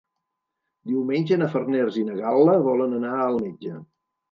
Diumenge na Farners i na Gal·la volen anar al metge.